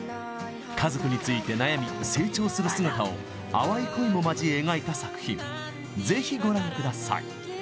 家族について悩み成長する姿を淡い恋も交え描いた作品ぜひご覧ください